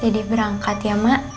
dede berangkat ya mak